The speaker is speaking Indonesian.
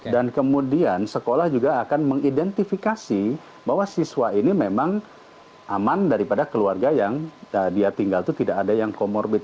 dan kemudian sekolah juga akan mengidentifikasi bahwa siswa ini memang aman daripada keluarga yang dia tinggal itu tidak ada yang comorbid